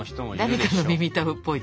誰かの耳たぶっぽい。